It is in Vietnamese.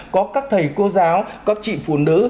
có các thầy cô giáo các chị phụ nữ